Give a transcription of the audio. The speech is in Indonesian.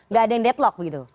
nggak ada yang deadlock begitu